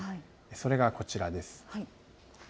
それがこちらです。